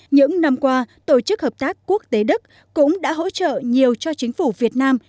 những năm qua tổ chức hợp tác quốc tế đức cũng đã hỗ trợ nhiều cho chính phủ việt nam